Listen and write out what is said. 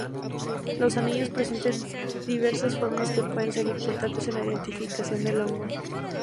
Los anillos presentan diversas formas que pueden ser importantes en la identificación del hongo.